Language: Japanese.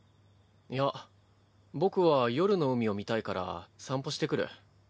いや僕は夜の海を見たいから散歩してくる。